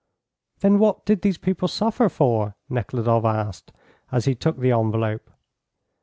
"Then what did these people suffer for?" Nekhludoff asked, as he took the envelope.